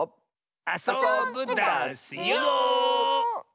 あそぶダスよ！